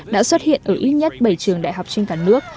đã xuất hiện ở ít nhất bảy trường đại học trên cả nước